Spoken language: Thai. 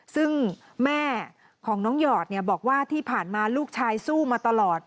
ซึ่งแม่ของน้องหยอดบอกว่าที่ผ่านมาลูกชายสู้มาตลอด